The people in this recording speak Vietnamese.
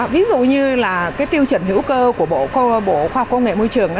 ví dụ như là cái tiêu chuẩn hữu cơ của bộ khoa học công nghệ môi trường